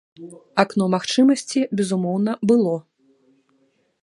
Акно магчымасці, безумоўна, было.